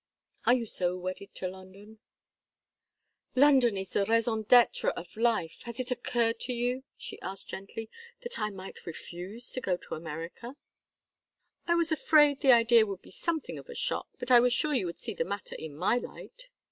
Are you so wedded to London?" "London is the raison d'être of life. Has it occurred to you," she asked, gently, "that I might refuse to go to America?" "I was afraid the idea would be something of a shock, but I was sure you would see the matter in my light."